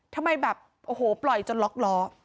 ทำไมแบบโอ้โหปล่อยจนล็อกล้อ